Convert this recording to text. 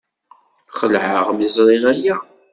Xelɛeɣ mi ẓriɣ aya.